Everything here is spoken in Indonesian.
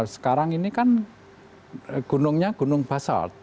sekarang ini kan gunungnya gunung basal